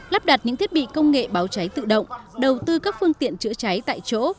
lắp đặt những thiết bị công nghệ báo cháy tự động đầu tư các phương tiện chữa cháy tại chỗ